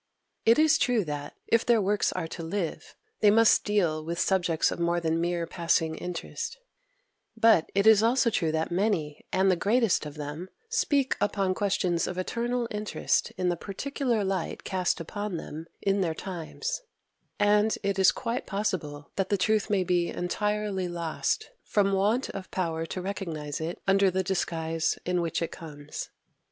It is true that, if their works are to live, they must deal with subjects of more than mere passing interest; but it is also true that many, and the greatest of them, speak upon questions of eternal interest in the particular light cast upon them in their times, and it is quite possible that the truth may be entirely lost from want of power to recognize it under the disguise in which it comes.